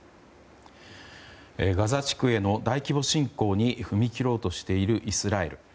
ガザ地区への大規模侵攻に踏み切ろうとしているイスラエル。